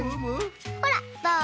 ほらっどう？